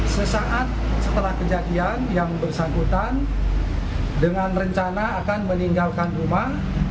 sesaat setelah kejadian yang bersangkutan dengan rencana akan meninggalkan rumah